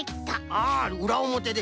あうらおもてで。